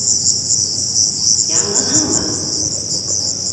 Яңғыҙһыңмы?